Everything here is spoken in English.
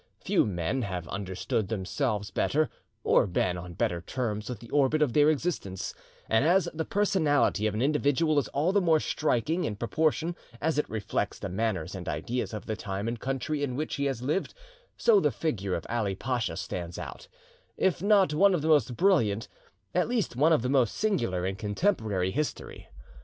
Few men have understood themselves better or been on better terms with the orbit of their existence, and as the personality of an individual is all the more striking, in proportion as it reflects the manners and ideas of the time and country in which he has lived, so the figure of Ali Pacha stands out, if not one of the most brilliant, at least one of the most singular in contemporary history.